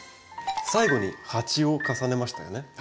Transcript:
最後に鉢を重ねましたよね。